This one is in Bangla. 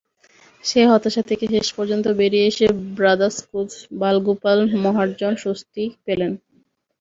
সেই হতাশা থেকে শেষ পর্যন্ত বেরিয়ে এসে ব্রাদার্স কোচ বালগোপাল মহারজন স্বস্তিই পেলেন।